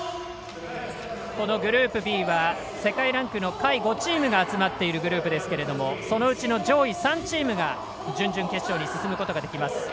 このグループＢは世界ランクの下位５チームが集まっているグループですけれどもそのうちの上位３チームが準々決勝に進むことができます。